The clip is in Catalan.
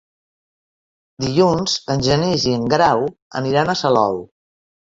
Dilluns en Genís i en Grau aniran a Salou.